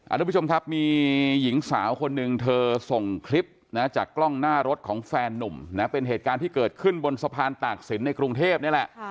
ทุกผู้ชมครับมีหญิงสาวคนหนึ่งเธอส่งคลิปนะจากกล้องหน้ารถของแฟนนุ่มนะเป็นเหตุการณ์ที่เกิดขึ้นบนสะพานตากศิลป์ในกรุงเทพนี่แหละ